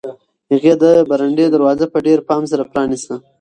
هغې د بالکن دروازه په ډېر پام سره پرانیسته.